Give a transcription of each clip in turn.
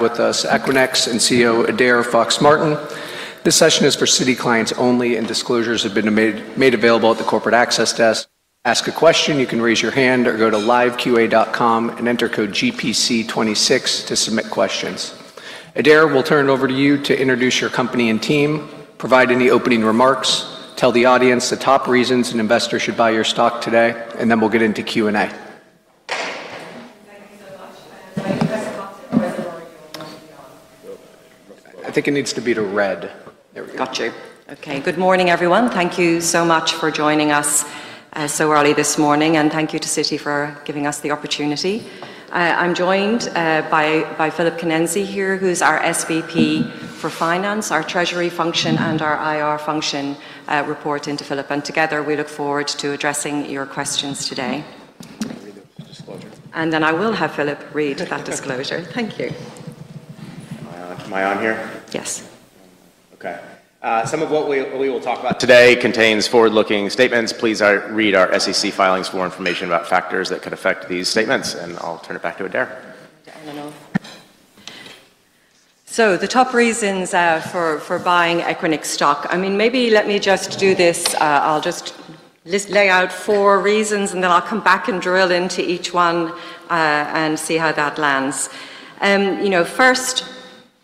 With us Equinix and CEO Adaire Fox-Martin. This session is for Citi clients only. Disclosures have been made available at the corporate access desk. Ask a question, you can raise your hand or go to liveqa.com and enter code GPC26 to submit questions. Adaire, we'll turn it over to you to introduce your company and team, provide any opening remarks, tell the audience the top reasons an investor should buy your stock today, and then we'll get into Q&A. Thank you so much. Do I press a button or is it already on? I think it needs to be to red. There we go. Got you. Okay. Good morning, everyone. Thank you so much for joining us so early this morning. Thank you to Citi for giving us the opportunity. I'm joined by Phillip Konieczny here, who's our SVP for Finance. Our treasury function and our IR function report into Phillip, together we look forward to addressing your questions today. Can I read the disclosure? I will have Phillip read that disclosure. Thank you. Am I on? Am I on here? Yes. Okay. Some of what we will talk about today contains forward-looking statements. Please read our SEC filings for more information about factors that could affect these statements. I'll turn it back to Adair. To Adaire now. The top reasons for buying Equinix stock. I mean, maybe let me just do this. I'll just lay out four reasons, and then I'll come back and drill into each one and see how that lands. You know, first,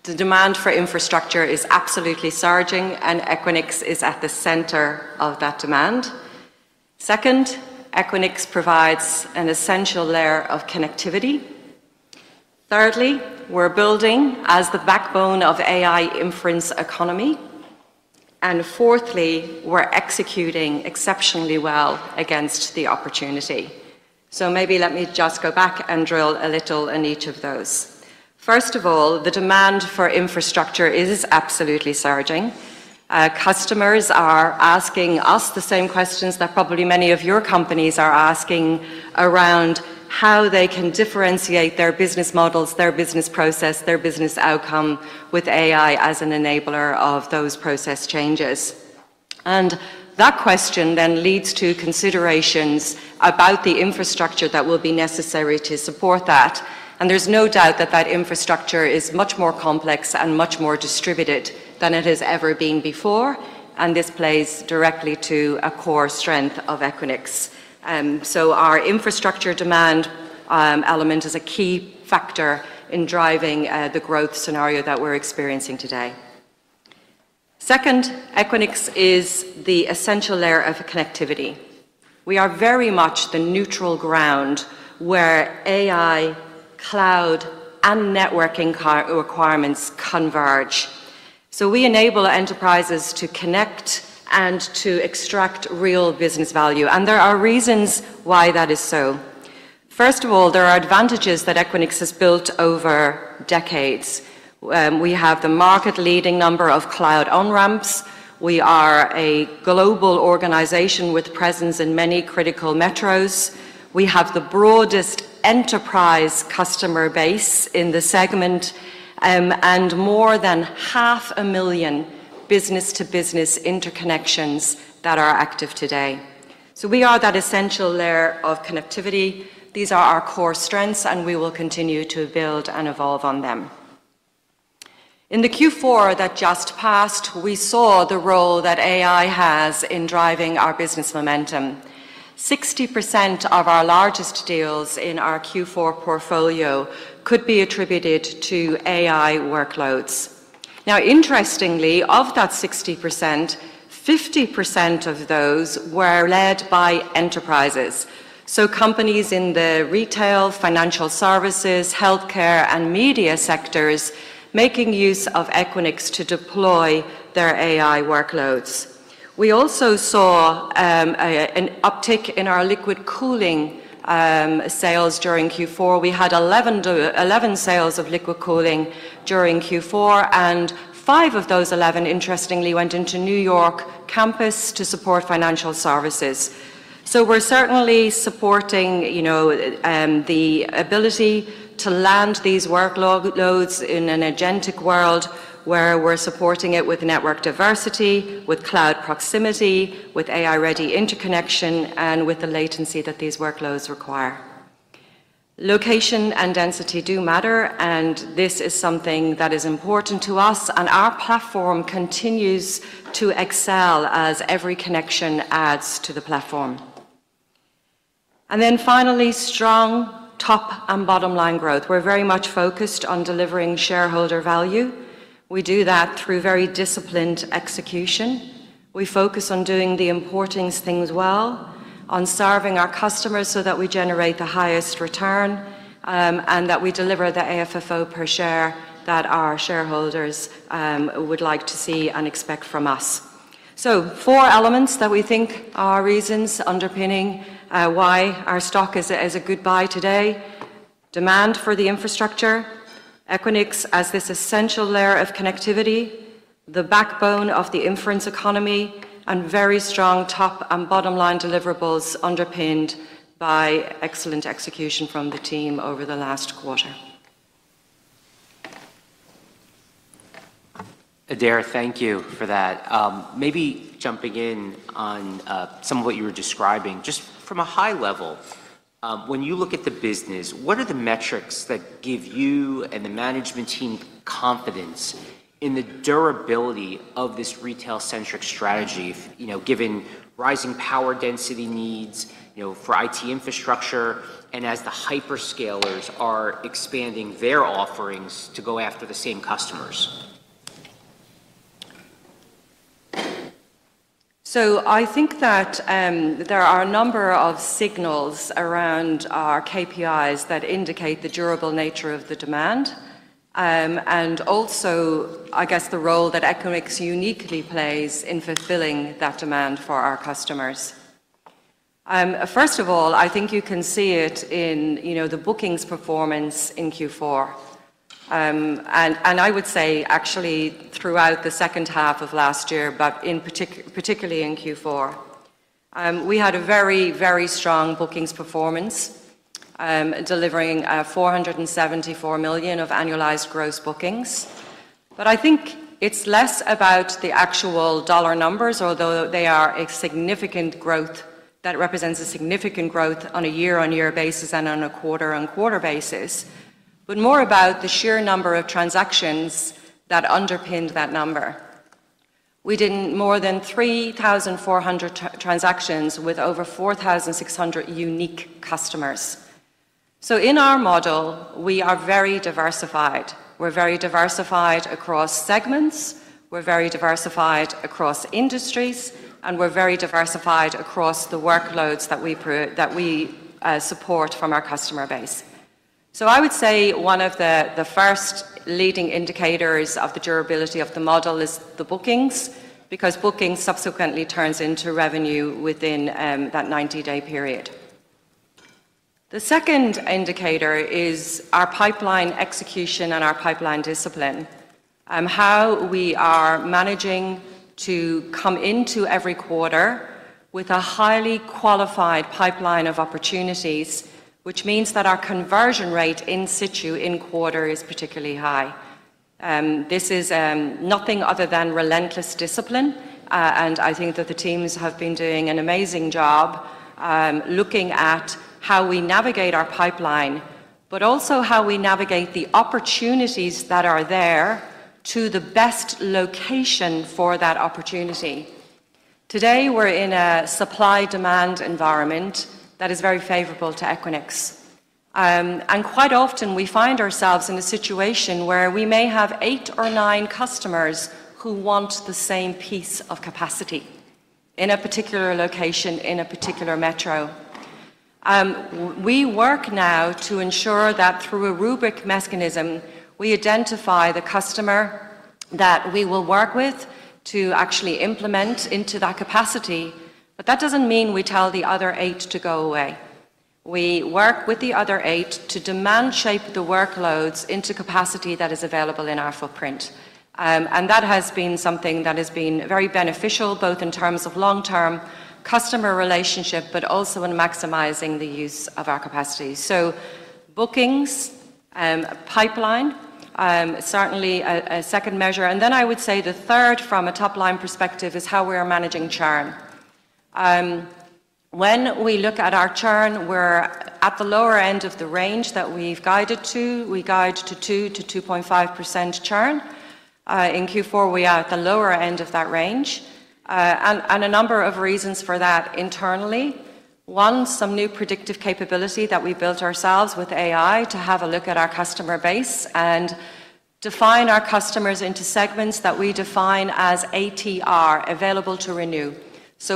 the demand for infrastructure is absolutely surging, and Equinix is at the center of that demand. Second, Equinix provides an essential layer of connectivity. Thirdly, we're building as the backbone of AI inference economy. Fourthly, we're executing exceptionally well against the opportunity. Maybe let me just go back and drill a little in each of those. First of all, the demand for infrastructure is absolutely surging. Customers are asking us the same questions that probably many of your companies are asking around how they can differentiate their business models, their business process, their business outcome with AI as an enabler of those process changes. That question then leads to considerations about the infrastructure that will be necessary to support that, and there's no doubt that that infrastructure is much more complex and much more distributed than it has ever been before, and this plays directly to a core strength of Equinix. Our infrastructure demand element is a key factor in driving the growth scenario that we're experiencing today. Second, Equinix is the essential layer of connectivity. We are very much the neutral ground where AI, cloud, and networking requirements converge. We enable enterprises to connect and to extract real business value, and there are reasons why that is so. First of all, there are advantages that Equinix has built over decades. We have the market-leading number of cloud on-ramps. We are a global organization with presence in many critical metros. We have the broadest enterprise customer base in the segment, and more than half a million business-to-business interconnections that are active today. We are that essential layer of connectivity. These are our core strengths, and we will continue to build and evolve on them. In the Q4 that just passed, we saw the role that AI has in driving our business momentum. 60% of our largest deals in our Q4 portfolio could be attributed to AI workloads. Interestingly, of that 60%, 50% of those were led by enterprises, so companies in the retail, financial services, healthcare, and media sectors making use of Equinix to deploy their AI workloads. We also saw an uptick in our liquid cooling sales during Q4. We had 11 sales of liquid cooling during Q4, and five of those 11, interestingly, went into New York campus to support financial services. We're certainly supporting, you know, the ability to land these workloads in an agentic world where we're supporting it with network diversity, with cloud proximity, with AI-ready interconnection, and with the latency that these workloads require. Location and density do matter. This is something that is important to us. Our platform continues to excel as every connection adds to the platform. Finally, strong top and bottom line growth. We're very much focused on delivering shareholder value. We do that through very disciplined execution. We focus on doing the important things well, on serving our customers so that we generate the highest return, and that we deliver the AFFO per share that our shareholders would like to see and expect from us. Four elements that we think are reasons underpinning why our stock is a good buy today: demand for the infrastructure, Equinix as this essential layer of connectivity, the backbone of the inference economy, and very strong top and bottom line deliverables underpinned by excellent execution from the team over the last quarter. Adair, thank you for that. Maybe jumping in on some of what you were describing, just from a high level, when you look at the business, what are the metrics that give you and the management team confidence in the durability of this retail-centric strategy, you know, given rising power density needs, you know, for IT infrastructure and as the hyperscalers are expanding their offerings to go after the same customers? I think that, there are a number of signals around our KPIs that indicate the durable nature of the demand, and also, I guess, the role that Equinix uniquely plays in fulfilling that demand for our customers. First of all, I think you can see it in, you know, the bookings performance in Q4. And I would say actually throughout the second half of last year, but particularly in Q4. We had a very, very strong bookings performance, delivering $474 million of annualized gross bookings. I think it's less about the actual dollar numbers, although that represents a significant growth on a year-on-year basis and on a quarter-on-quarter basis, but more about the sheer number of transactions that underpinned that number. We did more than 3,400 transactions with over 4,600 unique customers. In our model, we are very diversified. We're very diversified across segments, we're very diversified across industries, and we're very diversified across the workloads that we support from our customer base. I would say one of the first leading indicators of the durability of the model is the bookings, because bookings subsequently turns into revenue within that 90-day period. The second indicator is our pipeline execution and our pipeline discipline, how we are managing to come into every quarter with a highly qualified pipeline of opportunities, which means that our conversion rate in situ, in quarter, is particularly high. This is nothing other than relentless discipline, and I think that the teams have been doing an amazing job looking at how we navigate our pipeline, but also how we navigate the opportunities that are there to the best location for that opportunity. Today, we're in a supply-demand environment that is very favorable to Equinix. And quite often, we find ourselves in a situation where we may have eight or nine customers who want the same piece of capacity in a particular location, in a particular metro. We work now to ensure that through a rubric mechanism, we identify the customer that we will work with to actually implement into that capacity, but that doesn't mean we tell the other eight to go away. We work with the other eight to demand shape the workloads into capacity that is available in our footprint. And that has been something that has been very beneficial, both in terms of long-term customer relationship, but also in maximizing the use of our capacity. Bookings, pipeline, certainly a second measure, and then I would say the third from a top-line perspective is how we are managing churn. When we look at our churn, we're at the lower end of the range that we've guided to. We guide to 2%-2.5% churn. In Q4, we are at the lower end of that range, and a number of reasons for that internally. One, some new predictive capability that we built ourselves with AI to have a look at our customer base and define our customers into segments that we define as ATR, available to renew.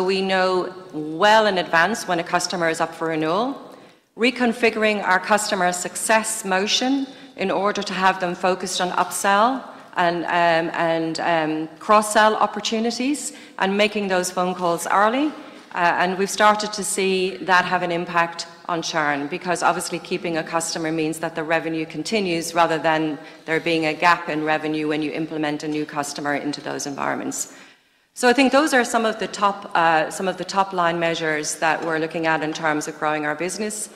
We know well in advance when a customer is up for renewal. Reconfiguring our customer success motion in order to have them focused on upsell and cross-sell opportunities and making those phone calls early, and we've started to see that have an impact on churn because obviously keeping a customer means that the revenue continues rather than there being a gap in revenue when you implement a new customer into those environments. I think those are some of the top, some of the top-line measures that we're looking at in terms of growing our business.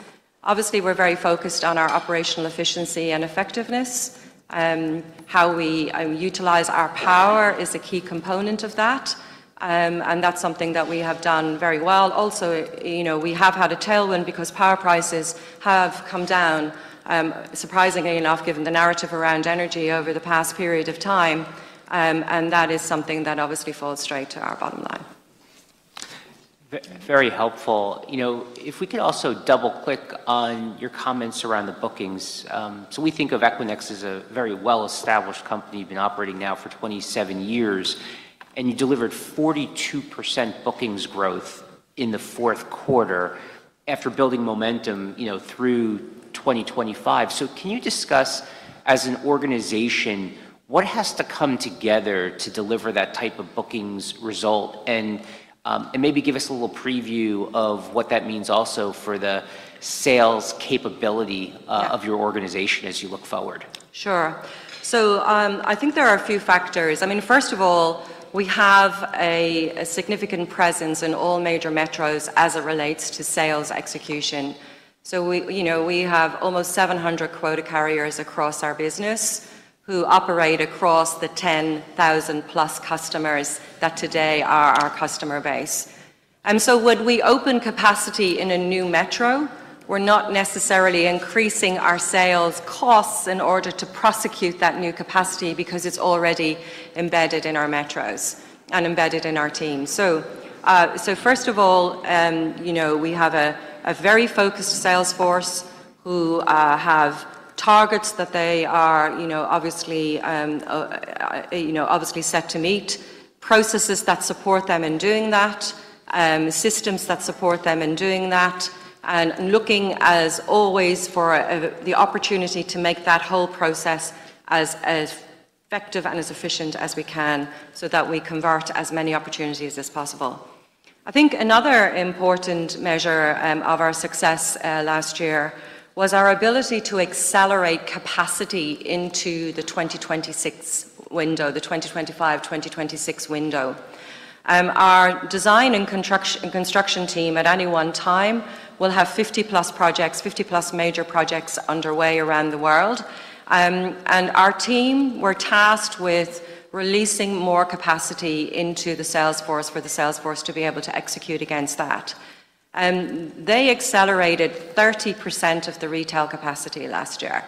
Obviously, we're very focused on our operational efficiency and effectiveness. How we utilize our power is a key component of that, and that's something that we have done very well. You know, we have had a tailwind because power prices have come down, surprisingly enough, given the narrative around energy over the past period of time, and that is something that obviously falls straight to our bottom line. Very helpful. You know, if we could also double-click on your comments around the bookings. We think of Equinix as a very well-established company, been operating now for 27 years, and you delivered 42% bookings growth in the fourth quarter after building momentum, you know, through 2025. Can you discuss, as an organization, what has to come together to deliver that type of bookings result? Maybe give us a little preview of what that means also for the sales capability of your organization as you look forward. Sure. I think there are a few factors. First of all, we have a significant presence in all major metros as it relates to sales execution. We, you know, we have almost 700 quota carriers across our business who operate across the 10,000+ customers that today are our customer base. When we open capacity in a new metro, we're not necessarily increasing our sales costs in order to prosecute that new capacity because it's already embedded in our metros and embedded in our team. First of all, you know, we have a very focused sales force who have targets that they are, you know, obviously set to meet, processes that support them in doing that, systems that support them in doing that, and looking as always for the opportunity to make that whole process as effective and as efficient as we can so that we convert as many opportunities as possible. I think another important measure of our success last year was our ability to accelerate capacity into the 2026 window, the 2025–2026 window. Our design and construction team at any one time will have 50+ projects, 50+ major projects underway around the world. Our team were tasked with releasing more capacity into the sales force for the sales force to be able to execute against that. They accelerated 30% of the retail capacity last year.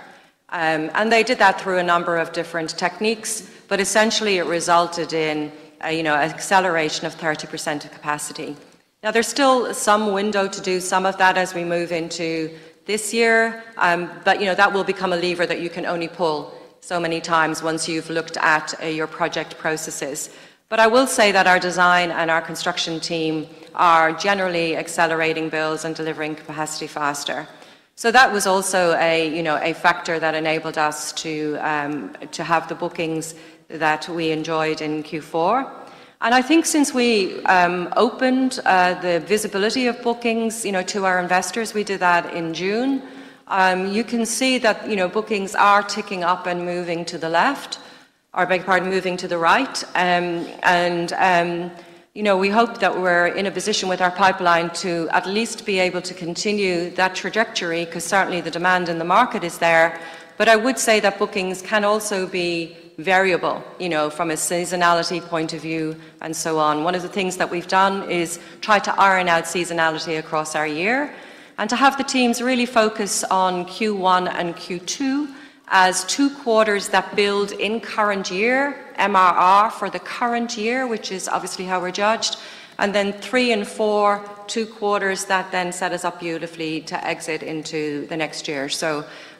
They did that through a number of different techniques, but essentially it resulted in a, you know, acceleration of 30% of capacity. Now there's still some window to do some of that as we move into this year, but, you know, that will become a lever that you can only pull so many times once you've looked at your project processes. I will say that our design and our construction team are generally accelerating builds and delivering capacity faster. That was also a, you know, a factor that enabled us to have the bookings that we enjoyed in Q4. I think since we opened the visibility of bookings, you know, to our investors, we did that in June, you can see that, you know, bookings are ticking up and moving to the left, or beg your pardon, moving to the right. You know, we hope that we're in a position with our pipeline to at least be able to continue that trajectory because certainly the demand in the market is there. I would say that bookings can also be variable, you know, from a seasonality point of view and so on. One of the things that we've done is try to iron out seasonality across our year and to have the teams really focus on Q1 and Q2 as two quarters that build in current year, MRR for the current year, which is obviously how we're judged, and then three and four, two quarters that then set us up beautifully to exit into the next year.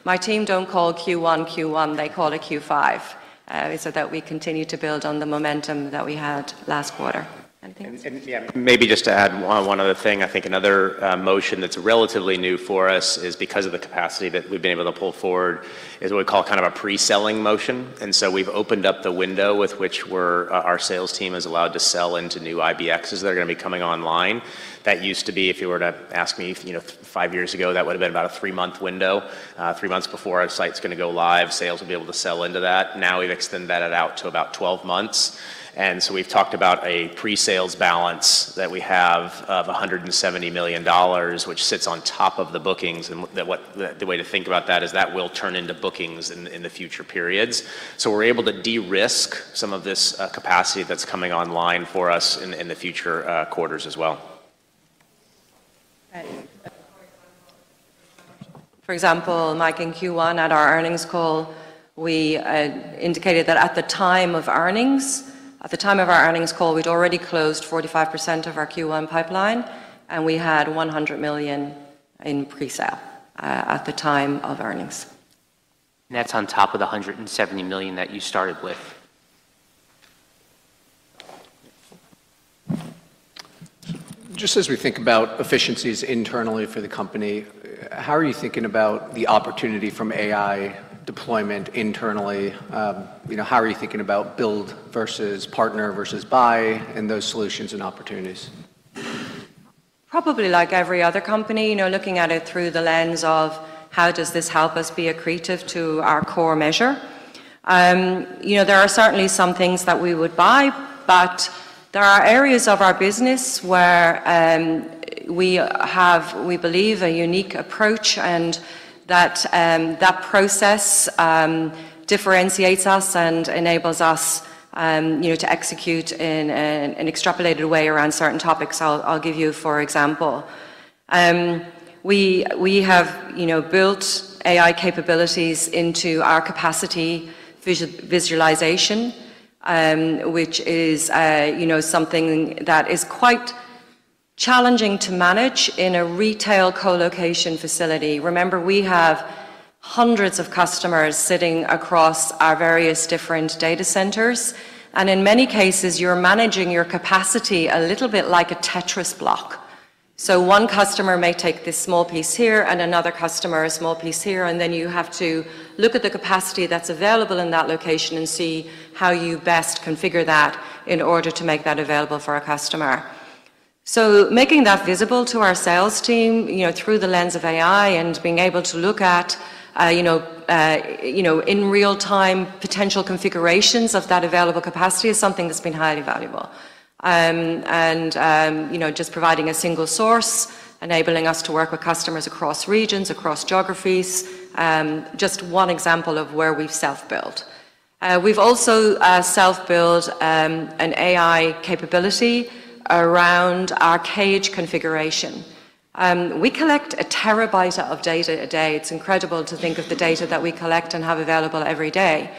My team don't call Q1, Q1, they call it Q5, so that we continue to build on the momentum that we had last quarter. Thanks. Yeah, maybe just to add one other thing. I think another motion that's relatively new for us is because of the capacity that we've been able to pull forward is what we call kind of a pre-selling motion. So we've opened up the window with which our sales team is allowed to sell into new IBXs that are gonna be coming online. That used to be, if you were to ask me, you know, five years ago, that would have been about a three-month window. Three months before a site's gonna go live, sales will be able to sell into that. Now we've extended that out to about 12 months. So we've talked about a pre-sales balance that we have of $170 million, which sits on top of the bookings. The way to think about that is that will turn into bookings in the future periods. We're able to de-risk some of this, capacity that's coming online for us in the future, quarters as well. For example, Mike, in Q1 at our earnings call, we indicated that at the time of earnings, at the time of our earnings call, we'd already closed 45% of our Q1 pipeline, and we had $100 million in presale, at the time of earnings. That's on top of the $170 million that you started with. Just as we think about efficiencies internally for the company, how are you thinking about the opportunity from AI deployment internally? You know, how are you thinking about build versus partner versus buy in those solutions and opportunities? Probably like every other company, you know, looking at it through the lens of how does this help us be accretive to our core measure. You know, there are certainly some things that we would buy, but there are areas of our business where we have, we believe, a unique approach, and that process differentiates us and enables us, you know, to execute in an extrapolated way around certain topics. I'll give you for example. We have, you know, built AI capabilities into our capacity visualization, which is, you know, something that is quite challenging to manage in a retail colocation facility. Remember, we have hundreds of customers sitting across our various different data centers, and in many cases, you're managing your capacity a little bit like a Tetris block. One customer may take this small piece here, and another customer a small piece here, and then you have to look at the capacity that's available in that location and see how you best configure that in order to make that available for a customer. Making that visible to our sales team, you know, through the lens of AI and being able to look at, you know, you know, in real time potential configurations of that available capacity is something that's been highly valuable. You know, just providing a single source, enabling us to work with customers across regions, across geographies, just one example of where we've self-built. We've also self-built an AI capability around our cage configuration. We collect 1 TB of data a day. It's incredible to think of the data that we collect and have available every day.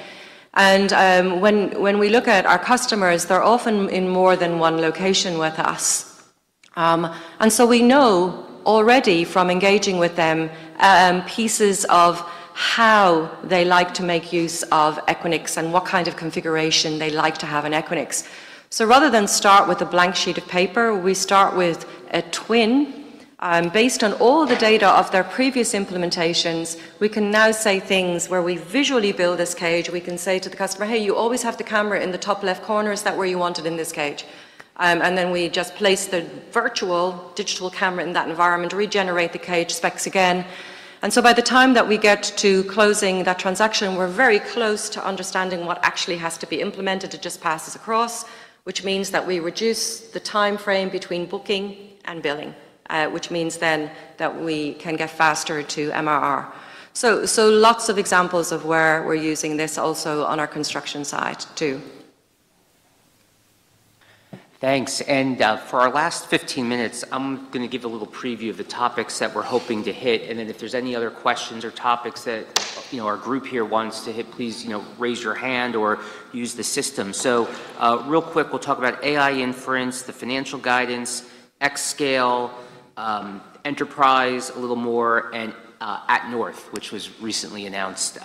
When we look at our customers, they're often in more than one location with us. So we know already from engaging with them, pieces of how they like to make use of Equinix and what kind of configuration they like to have in Equinix. Rather than start with a blank sheet of paper, we start with a twin. Based on all the data of their previous implementations, we can now say things where we visually build this cage. We can say to the customer, "Hey, you always have the camera in the top left corner. Is that where you want it in this cage?" Then we just place the virtual digital camera in that environment, regenerate the cage specs again. By the time that we get to closing that transaction, we're very close to understanding what actually has to be implemented. It just passes across, which means that we reduce the timeframe between booking and billing, which means then that we can get faster to MRR. Lots of examples of where we're using this also on our construction side too. Thanks. For our last 15 minutes, I'm gonna give a little preview of the topics that we're hoping to hit, and then if there's any other questions or topics that, you know, our group here wants to hit, please, you know, raise your hand or use the system. Real quick, we'll talk about AI inference, the financial guidance, xScale, enterprise a little more, and atNorth, which was recently announced.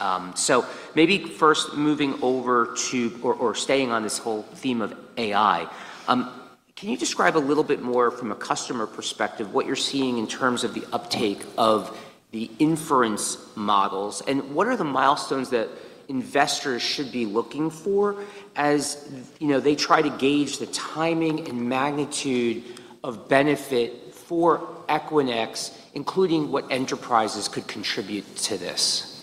Maybe first moving over to or staying on this whole theme of AI, can you describe a little bit more from a customer perspective what you're seeing in terms of the uptake of the inference models? What are the milestones that investors should be looking for as, you know, they try to gauge the timing and magnitude of benefit for Equinix, including what enterprises could contribute to this?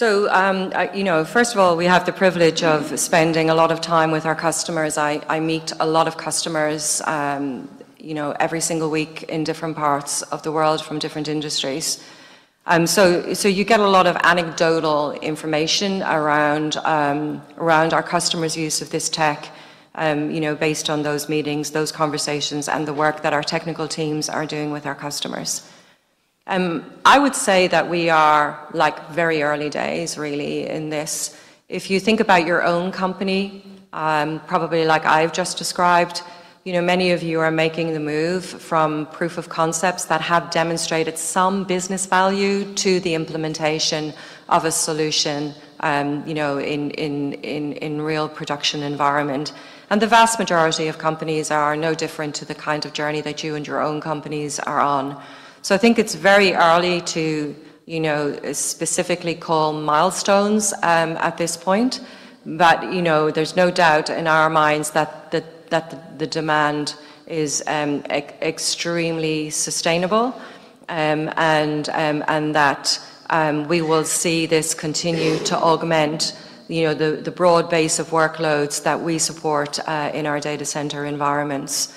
You know, first of all, we have the privilege of spending a lot of time with our customers. I meet a lot of customers, you know, every single week in different parts of the world from different industries. You get a lot of anecdotal information around our customers' use of this tech, you know, based on those meetings, those conversations, and the work that our technical teams are doing with our customers. I would say that we are, like, very early days really in this. If you think about your own company, probably like I've just described, you know, many of you are making the move from proof of concepts that have demonstrated some business value to the implementation of a solution, you know, in real production environment. The vast majority of companies are no different to the kind of journey that you and your own companies are on. I think it's very early to, you know, specifically call milestones at this point. You know, there's no doubt in our minds that the demand is extremely sustainable and that we will see this continue to augment, you know, the broad base of workloads that we support in our data center environments.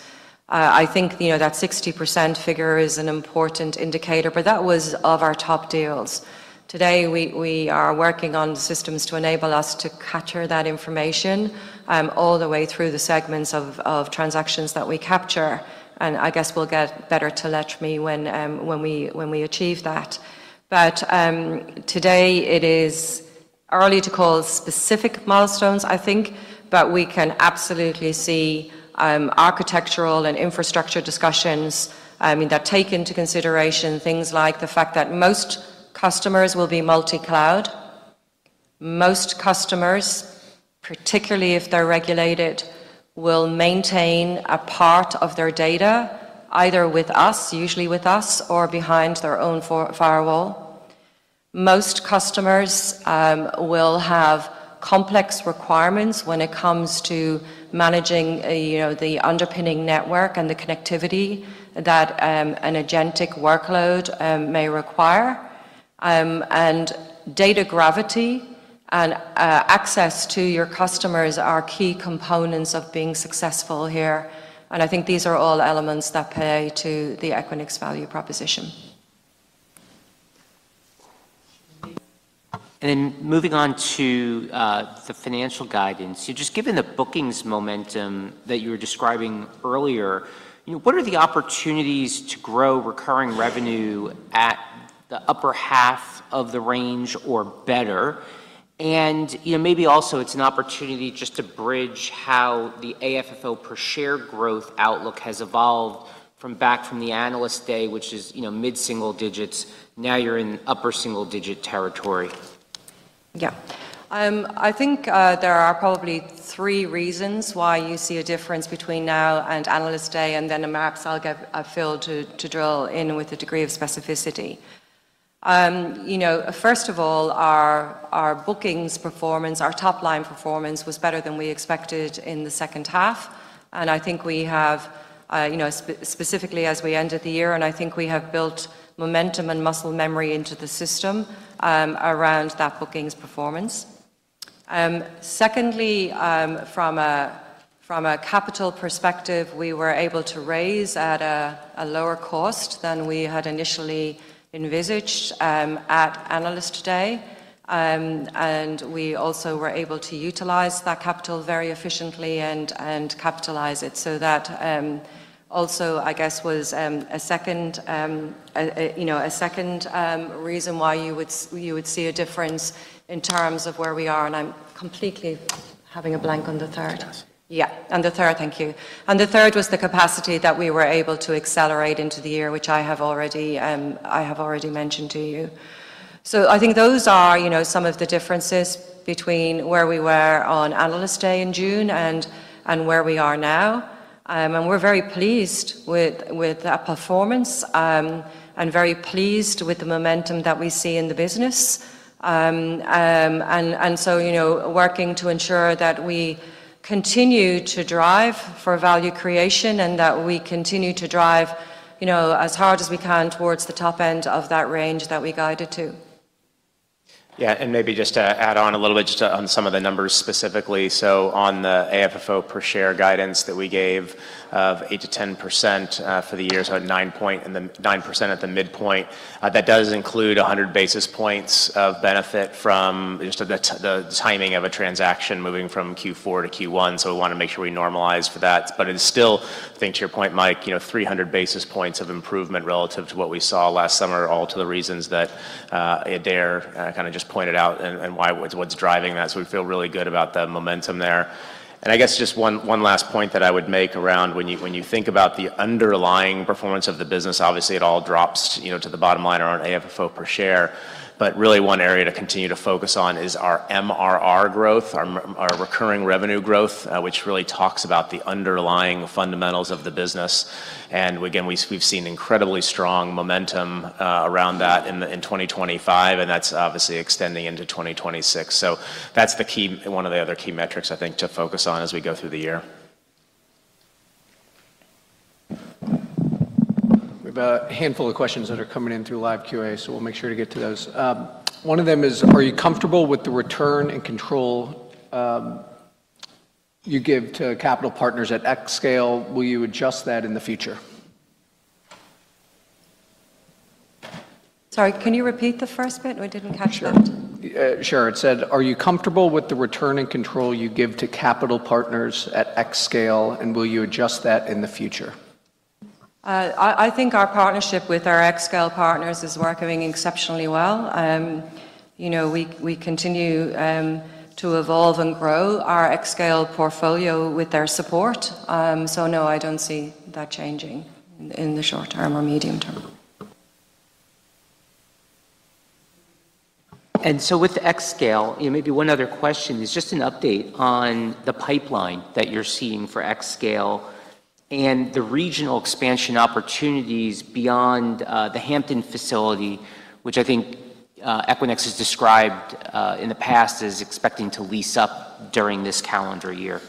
I think, you know, that 60% figure is an important indicator, but that was of our top deals. Today, we are working on systems to enable us to capture that information all the way through the segments of transactions that we capture, and I guess we'll get better to let me when we achieve that. Today it is early to call specific milestones, I think, but we can absolutely see architectural and infrastructure discussions, I mean, that take into consideration things like the fact that most customers will be multi-cloud. Most customers, particularly if they're regulated, will maintain a part of their data either with us, usually with us, or behind their own firewall. Most customers will have complex requirements when it comes to managing a, you know, the underpinning network and the connectivity that an agentic workload may require. Data gravity and access to your customers are key components of being successful here, and I think these are all elements that play to the Equinix value proposition. Moving on to the financial guidance. Just given the bookings momentum that you were describing earlier, you know, what are the opportunities to grow recurring revenue at the upper half of the range or better? You know, maybe also it's an opportunity just to bridge how the AFFO per share growth outlook has evolved from back from the Analyst Day, which is, you know, mid-single digits. Now you're in upper single digit territory. Yeah. I think there are probably three reasons why you see a difference between now and Analyst Day, and then perhaps I'll give Phil to drill in with a degree of specificity. You know, first of all, our bookings performance, our top-line performance was better than we expected in the second half, and I think we have, you know, specifically as we ended the year, and I think we have built momentum and muscle memory into the system around that bookings performance. Secondly, from a capital perspective, we were able to raise at a lower cost than we had initially envisaged at Analyst Day. We also were able to utilize that capital very efficiently and capitalize it. That, also, I guess, was, a, you know, a second reason why you would see a difference in terms of where we are, and I'm completely having a blank on the third. The third. The third. Thank you. The third was the capacity that we were able to accelerate into the year, which I have already mentioned to you. I think those are, you know, some of the differences between where we were on Analyst Day in June and where we are now. We're very pleased with that performance and very pleased with the momentum that we see in the business. You know, working to ensure that we continue to drive for value creation and that we continue to drive, you know, as hard as we can towards the top end of that range that we guided to. Yeah. Maybe just to add on a little bit just on some of the numbers specifically. On the AFFO per share guidance that we gave of 8%-10% for the year, so at 9% at the midpoint, that does include 100 basis points of benefit from just the timing of a transaction moving from Q4 to Q1, so we want to make sure we normalize for that. It is still, I think to your point, Mike, you know, 300 basis points of improvement relative to what we saw last summer, all to the reasons that Adair kind of just pointed out and why, what's driving that. We feel really good about the momentum there. I guess just one last point that I would make around when you think about the underlying performance of the business, obviously it all drops, you know, to the bottom line around AFFO per share. Really one area to continue to focus on is our MRR growth, our recurring revenue growth, which really talks about the underlying fundamentals of the business. Again, we've seen incredibly strong momentum around that in 2025, and that's obviously extending into 2026. That's the key, one of the other key metrics I think to focus on as we go through the year. We have a handful of questions that are coming in through live QA, so we'll make sure to get to those. One of them is, are you comfortable with the return and control, you give to capital partners at xScale? Will you adjust that in the future? Sorry, can you repeat the first bit? I didn't catch that. Sure. Sure. It said, are you comfortable with the return and control you give to capital partners at xScale, and will you adjust that in the future? I think our partnership with our xScale partners is working exceptionally well. You know, we continue to evolve and grow our xScale portfolio with their support. No, I don't see that changing in the short term or medium term. With xScale, you know, maybe one other question is just an update on the pipeline that you're seeing for xScale and the regional expansion opportunities beyond the Hampton facility, which I think Equinix has described in the past as expecting to lease up during this calendar year.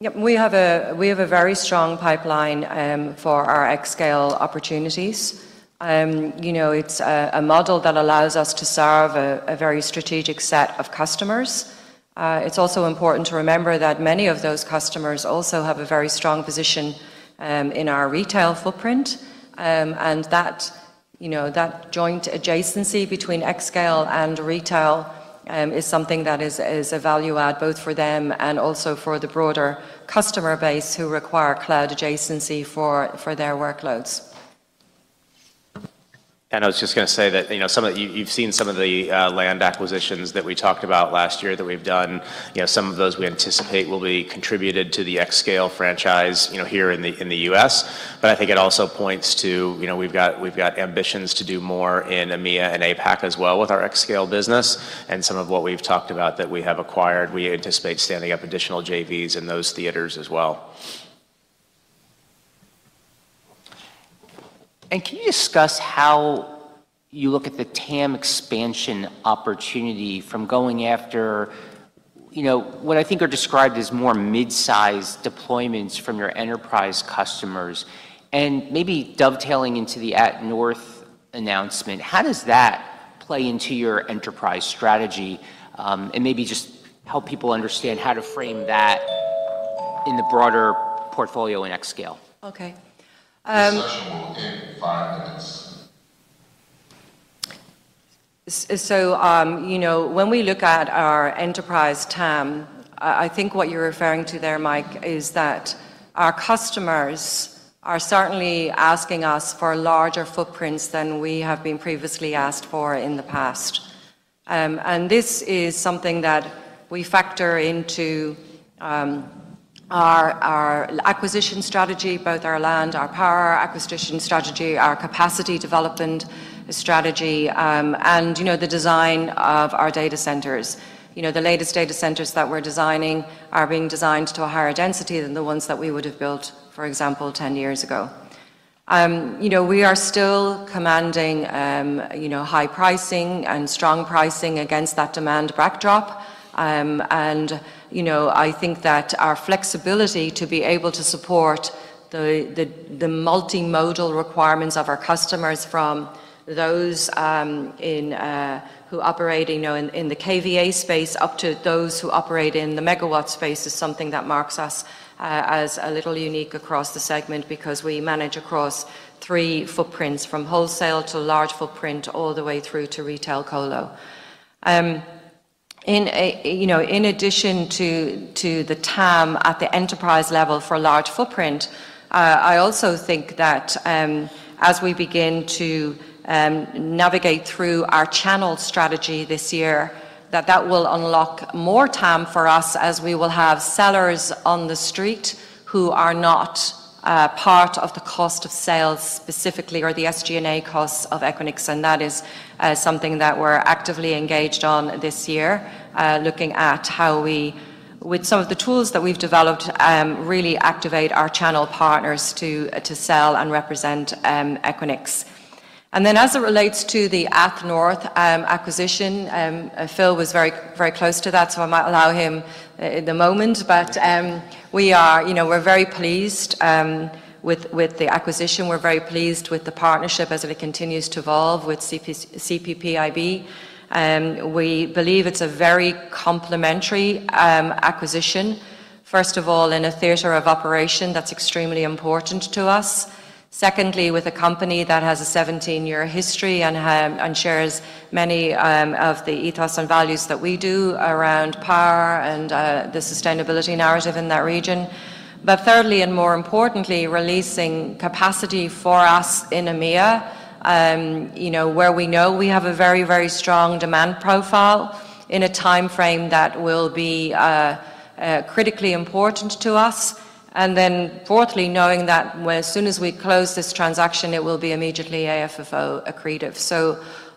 Yep. We have a, we have a very strong pipeline, for our xScale opportunities. you know, it's a model that allows us to serve a very strategic set of customers. It's also important to remember that many of those customers also have a very strong position, in our retail footprint. That, you know, that joint adjacency between xScale and retail, is a value add both for them and also for the broader customer base who require cloud adjacency for their workloads. I was just gonna say that, you know, you've seen some of the land acquisitions that we talked about last year that we've done. You know, some of those we anticipate will be contributed to the xScale franchise, you know, here in the U.S. I think it also points to, you know, we've got ambitions to do more in EMEA and APAC as well with our xScale business, and some of what we've talked about that we have acquired, we anticipate standing up additional JVs in those theaters as well. Can you discuss how you look at the TAM expansion opportunity from going after, you know, what I think are described as more mid-sized deployments from your enterprise customers, and maybe dovetailing into the atNorth announcement, how does that play into your enterprise strategy? And maybe just help people understand how to frame that in the broader portfolio in xScale. Okay. The session will end in five minutes. You know, when we look at our enterprise TAM, I think what you're referring to there, Mike, is that our customers are certainly asking us for larger footprints than we have been previously asked for in the past. This is something that we factor into our acquisition strategy, both our land, our power acquisition strategy, our capacity development strategy, you know, the design of our data centers. You know, the latest data centers that we're designing are being designed to a higher density than the ones that we would have built, for example, 10 years ago. You know, we are still commanding, you know, high pricing and strong pricing against that demand backdrop. You know, I think that our flexibility to be able to support the multimodal requirements of our customers from those in—who operate, you know, in the KVA space up to those who operate in the megawatt space is something that marks us as a little unique across the segment because we manage across three footprints, from wholesale to large footprint, all the way through to retail colo. In a, you know, in addition to the TAM at the enterprise level for large footprint, I also think that, as we begin to navigate through our channel strategy this year, that that will unlock more TAM for us as we will have sellers on the street who are not part of the cost of sales specifically or the SG&A costs of Equinix, and that is something that we're actively engaged on this year, looking at how we—with some of the tools that we've developed, really activate our channel partners to sell and represent Equinix. As it relates to the atNorth acquisition, Phil was very close to that, so I might allow him the moment. We are, you know, we're very pleased with the acquisition. We're very pleased with the partnership as it continues to evolve with CPPIB. We believe it's a very complementary acquisition, first of all, in a theater of operation that's extremely important to us. Secondly, with a company that has a 17-year history and shares many of the ethos and values that we do around power and the sustainability narrative in that region. Thirdly, and more importantly, releasing capacity for us in EMEA, you know, where we know we have a very, very strong demand profile in a timeframe that will be critically important to us. Fourthly, knowing that as soon as we close this transaction, it will be immediately AFFO accretive.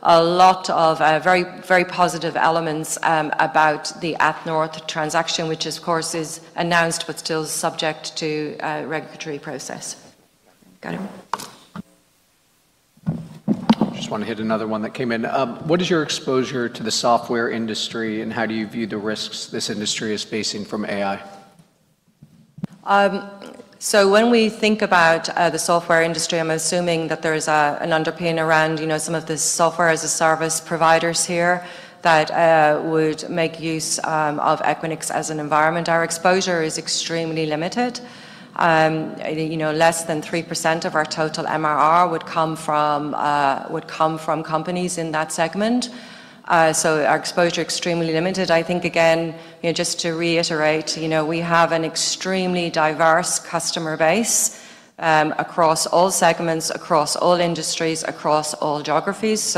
A lot of very, very positive elements about the atNorth transaction, which of course is announced but still subject to regulatory process. Got it. I just want to hit another one that came in. What is your exposure to the software industry, and how do you view the risks this industry is facing from AI? When we think about the software industry, I'm assuming that there's an underpin around, you know, some of the Software-as-a-Service providers here that would make use of Equinix as an environment. Our exposure is extremely limited. You know, less than 3% of our total MRR would come from companies in that segment. Our exposure extremely limited. I think again, you know, just to reiterate, you know, we have an extremely diverse customer base across all segments, across all industries, across all geographies.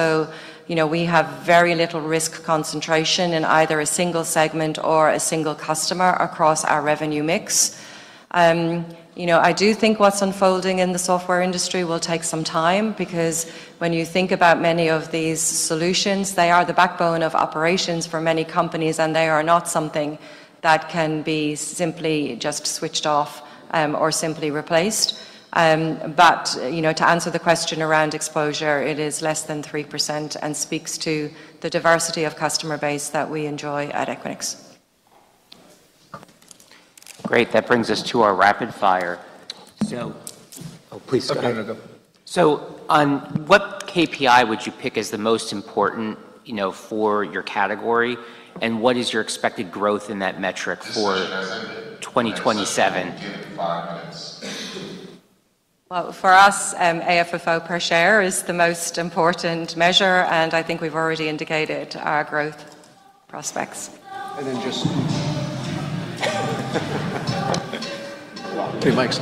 You know, we have very little risk concentration in either a single segment or a single customer across our revenue mix. You know, I do think what's unfolding in the software industry will take some time because when you think about many of these solutions, they are the backbone of operations for many companies, they are not something that can be simply just switched off, or simply replaced. You know, to answer the question around exposure, it is less than 3% and speaks to the diversity of customer base that we enjoy at Equinix. Great. That brings us to our rapid fire. Oh, please. Okay, no, go. What KPI would you pick as the most important, you know, for your category, and what is your expected growth in that metric 2027? Well, for us, AFFO per share is the most important measure, and I think we've already indicated our growth prospects. Just... two mics.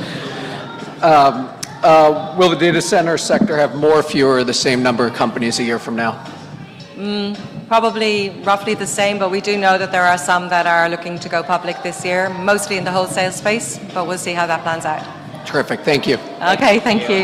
Will the data center sector have more, fewer, or the same number of companies a year from now? Probably roughly the same, but we do know that there are some that are looking to go public this year, mostly in the wholesale space, but we'll see how that plans out. Terrific. Thank you. Okay, thank you.